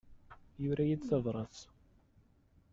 Yura-iyi-d tabrat.